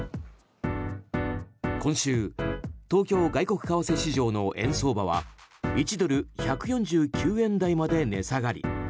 今週、東京外国為替市場の円相場は１ドル＝１４９円台まで値下がり